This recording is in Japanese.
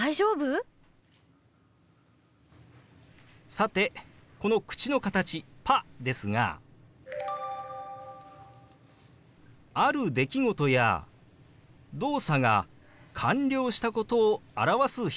さてこの口の形「パ」ですがある出来事や動作が完了したことを表す表現なんです。